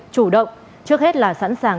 chủ động trước hết là sẵn sàng